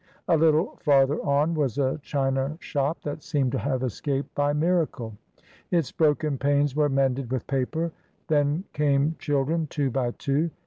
A little farther on was a china shop that seemed to have escaped by miracle; its broken panes were mended with paper. Then came children two by two.